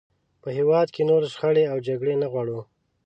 په هېواد کې نورې شخړې او جګړې نه غواړو.